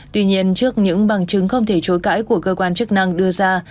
tuy nhiên trước những bằng chứng không thể chối cãi của cơ quan chức năng đưa ra